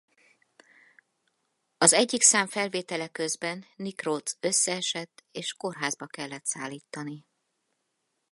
Az egyik szám felvétele közben Nick Rhodes összeesett és kórházba kellett szállítani.